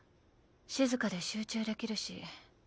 静かで集中できるし。